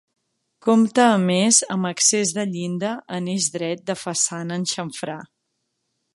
Compta a més amb accés de llinda en eix dret de façana en xamfrà.